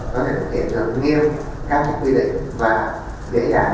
có thể kiểm tra nhiều các quy định và dễ dàng